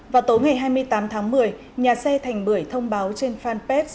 vào tối ngày hai mươi tám tháng một mươi nhà xe thành bưởi thông báo trên fanpage